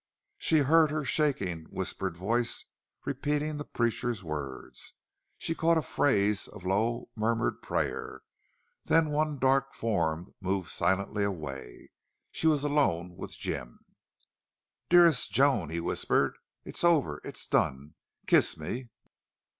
She heard her shaking, whispered voice repeating the preacher's words. She caught a phrase of a low murmured prayer. Then one dark form moved silently away. She was alone with Jim. "Dearest Joan!" he whispered. "It's over! It's done!... Kiss me!"